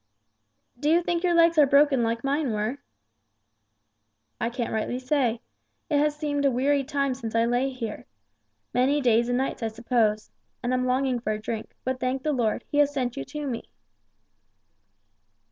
"Do you think your legs are broken like mine were?" "I can't rightly say. It has seemed a weary time since I lay here. Many days and nights I suppose and I'm longing for a drink, but thank the Lord, He has sent you to me."